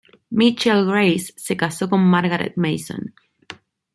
Michael Grace se casó con Margaret Mason.